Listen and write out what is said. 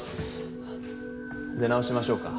あっ出直しましょうか？